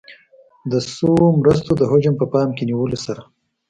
د شویو مرستو د حجم په پام کې نیولو سره.